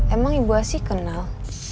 emang ibu asih kenal